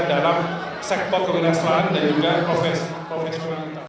dalam sektor kemuliaan selan dan juga profesional